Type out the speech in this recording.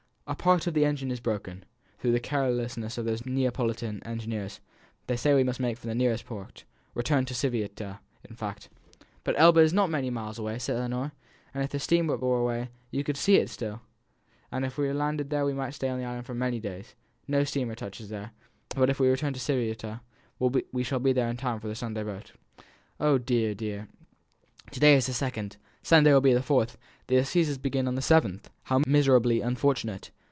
"A part of the engine is broken, through the carelessness of these Neapolitan engineers; they say we must make for the nearest port return to Civita, in fact." "But Elba is not many miles away," said Ellinor. "If this steam were but away, you could see it still." "And if we were landed there we might stay on the island for many days; no steamer touches there; but if we return to Civita, we shall be in time for the Sunday boat." "Oh, dear, dear!" said Ellinor. "To day is the second Sunday will be the fourth the assizes begin on the seventh; how miserably unfortunate!"